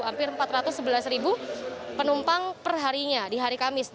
hampir empat ratus sebelas ribu penumpang perharinya di hari kamis